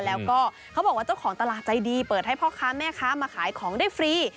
แล้วก็เขาบอกว่าเจ้าของตลาดใจดีเปิดให้พ่อค้าแม่ค้ามาขายของได้ฟรี